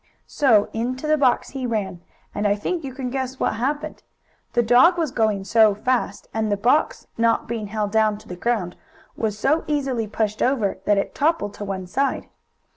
So into the box he ran, and I think you can guess what happened. The dog was going so fast, and the box, not being held down to the ground, was so easily pushed over, that it toppled to one side.